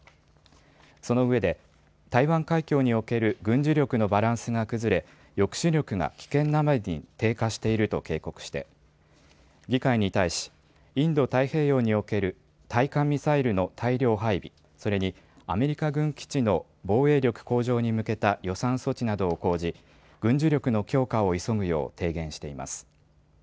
そのうえで台湾海峡における軍事力のバランスが崩れ抑止力が危険なまでに低下していると警告して議会に対しインド太平洋における対艦ミサイルの大量配備、それにアメリカ軍基地の防衛力向上に向けた予算措置などを講じ軍事力の強化を急ぐよう提言しています。